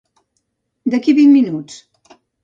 D'aquí a vint minuts.